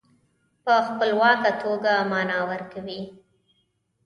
په خپلواکه توګه معنا ورکوي.